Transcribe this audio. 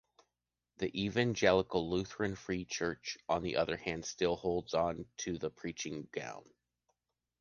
The Evangelical Lutheran Free Church on the other hand still holds on to the preaching gown.